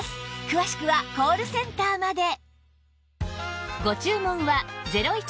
詳しくはコールセンターまで